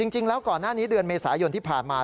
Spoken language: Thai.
จริงแล้วก่อนหน้านี้เดือนเมษายนที่ผ่านมา